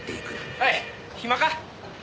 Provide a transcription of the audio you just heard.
おい暇か？